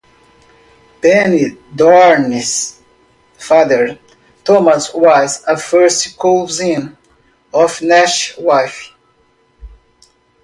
Pennethorne's father, Thomas was a first cousin of Nash's wife.